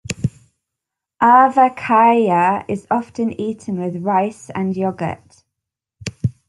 Aavakaaya is often eaten with rice and yogurt.